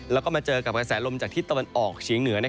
แล้วก็มาเจอกับกระแสลมจากทิศตะวันออกเฉียงเหนือ